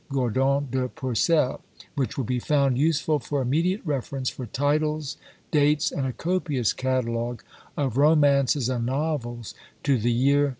Gordon de Percel; which will be found useful for immediate reference for titles, dates, and a copious catalogue of romances and novels to the year 1734.